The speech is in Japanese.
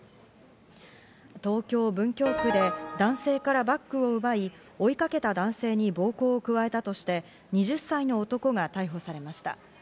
東京・文京区で男性からバッグを奪い、追いかけた男性に暴行を加えたとして、２０歳の男が逮捕されました。